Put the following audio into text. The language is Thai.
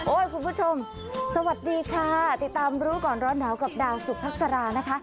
คุณผู้ชมสวัสดีค่ะติดตามรู้ก่อนร้อนหนาวกับดาวสุพัสรานะคะ